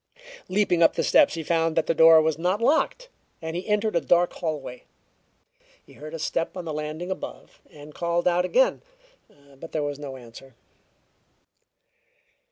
Leaping up the steps, he found that the door was not locked, and he entered a dark hallway. He heard a step on the landing above, and called out again, but there was no answer.